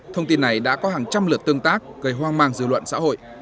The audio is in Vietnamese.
thông tin này đã có hàng trăm lượt tương tác gây hoang mang dư luận xã hội